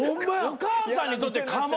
お母さんにとって家紋。